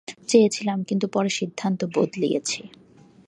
চেয়েছিলাম কিন্তু পরে সিদ্ধান্ত বদলিয়েছি।